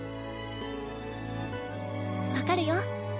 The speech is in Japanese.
分かるよ。